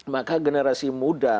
maka generasi muda